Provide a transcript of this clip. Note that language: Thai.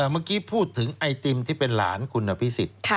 เมื่อกี้พูดถึงไอติมที่เป็นหลานคุณอภิษฎ